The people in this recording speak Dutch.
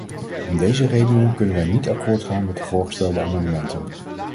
Om deze redenen kunnen wij niet akkoord gaan met de voorgestelde amendementen.